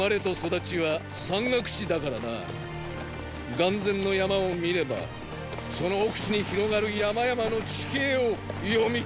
眼前の山を見ればその奥地に広がる山々の地形を読み取れる。